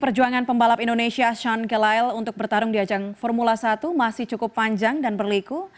perjuangan pembalap indonesia shan galile untuk bertarung di ajang formula satu masih cukup panjang dan berliku